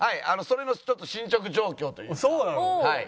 それのちょっと進捗状況というかはい。